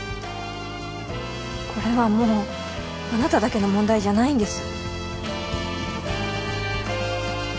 これはもうあなただけの問題じゃないんです。